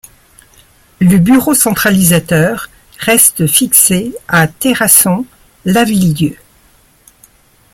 Le bureau centralisateur reste fixé à Terrasson-Lavilledieu.